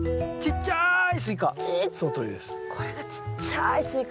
ちっちゃいスイカ。